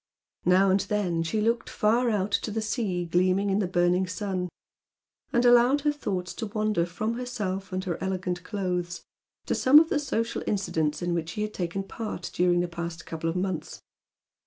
Now and then she looked far out to the sea gleaming in the burning sun, and allowed her thoughts to wander from herself and her elegant clothes to some of the social incidents in which she had taken part during the past couple of months.